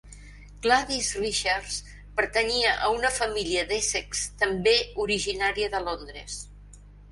Gladys Richards pertanyia a una família d'Essex també originària de Londres.